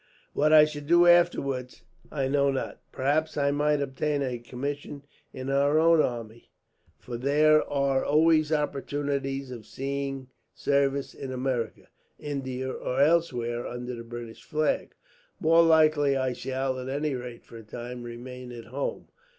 "What I should do afterwards, I know not. Perhaps I might obtain a commission in our own army, for there are always opportunities of seeing service in America, India, or elsewhere, under the British flag. More likely I shall, at any rate for a time, remain at home.